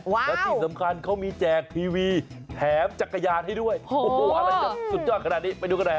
แล้วที่สำคัญเขามีแจกทีวีแถมจักรยานให้ด้วยโอ้โหอะไรจะสุดยอดขนาดนี้ไปดูกันหน่อย